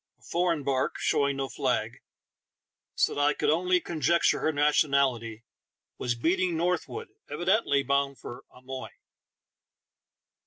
A foreign bark, showing no flag, so that I could only con jecture her nationality, was beating northward, evidently bound for Amoy.